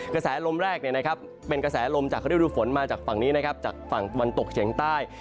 กระแสลมแรกเป็นกระแสลมจากฤดูฝนมาจากฝั่งนี้นะครับจากฝั่งตะวันตกเฉียงใต้